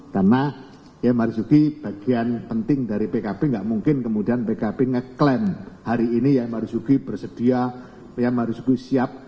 karena kiai marzuki bagian penting dari pkb gak mungkin kemudian pkb ngeklaim hari ini kiai marzuki bersedia kiai marzuki siap